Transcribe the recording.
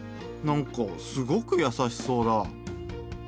なんかすごくやさしそうだ。